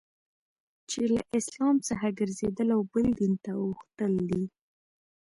چي له اسلام څخه ګرځېدل او بل دین ته اوښتل دي.